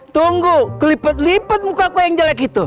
tunggu kelipet lipet muka ku yang jelek itu